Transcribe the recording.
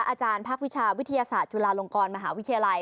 อาจารย์ภาควิชาวิทยาศาสตร์จุฬาลงกรมหาวิทยาลัย